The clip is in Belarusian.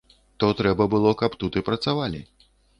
То трэба было, каб тут і працавалі.